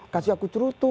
kasih aku cerutu